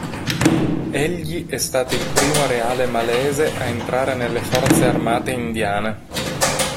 Egli è stato il primo reale malese a entrare nelle forze armate indiane.